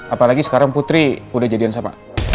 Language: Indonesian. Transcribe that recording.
apalagi sekarang putri udah jadian siapa